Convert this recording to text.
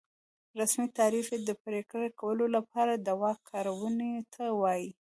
رسمي تعریف یې د پرېکړو کولو لپاره د واک کارونې ته وایي.